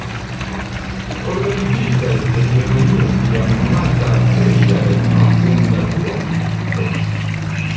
Organizitaj de Germanio tiam nomata Tria Regno dum la Dua Mondmilito.